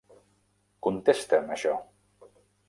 Contesta'm això.